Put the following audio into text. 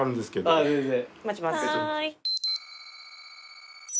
ああ全然。